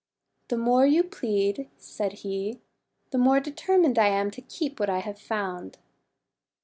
'The more you plead," said he, "the more determined I am to keep what I have found."